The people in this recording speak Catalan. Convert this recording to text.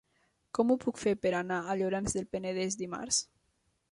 Com ho puc fer per anar a Llorenç del Penedès dimarts?